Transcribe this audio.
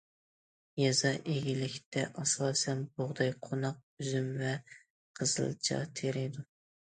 يېزا- ئىگىلىكتە ئاساسەن بۇغداي، قوناق، ئۈزۈم ۋە قىزىلچا تېرىيدۇ.